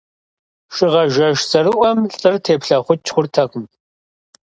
Шыгъажэш цӀэрыӀуэм лӀыр теплъэкъукӀ хъуртэкъым.